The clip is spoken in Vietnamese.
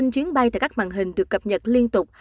các máy bay tại các mạng hình được cập nhật liên tục